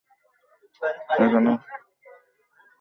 এখানে তার বিবাহ হয়।